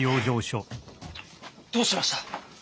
どうしました？